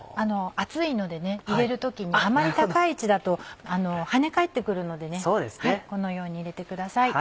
熱いので入れる時にあまり高い位置だと跳ね返ってくるのでこのように入れてください。